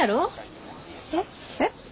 えっ？